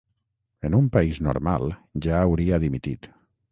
En un país normal, ja hauria dimitit.